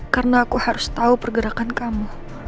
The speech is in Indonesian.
karena aku harus tahu pergerakan kamu